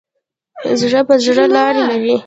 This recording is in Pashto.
زړه په زړه لار لري.